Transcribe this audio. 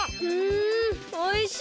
んおいしい！